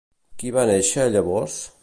Qui va néixer llavors?